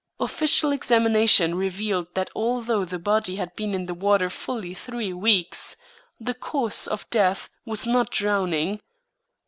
Official examination revealed that although the body had been in the water fully three weeks, the cause of death was not drowning.